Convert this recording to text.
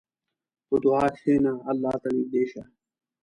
په دعا کښېنه، الله ته نږدې شه.